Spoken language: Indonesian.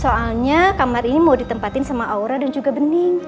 soalnya kamar ini mau ditempatin sama aura dan juga bening